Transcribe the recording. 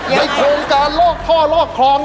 โครงการลอกท่อลอกคลอง